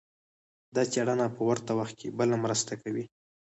دا څېړنه په ورته وخت کې بله مرسته کوي.